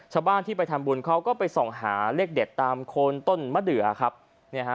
ชาวบ้านที่ไปทำบุญเขาก็ไปส่องหาเลขเด็ดตามโคนต้นมะเดือครับเนี่ยฮะ